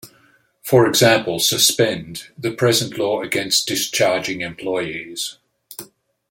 For example, suspend ... the present law against discharging employees.